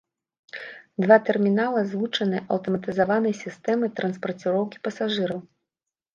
Два тэрмінала злучаныя аўтаматызаванай сістэмай транспарціроўкі пасажыраў.